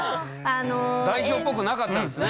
代表っぽくなかったんですね。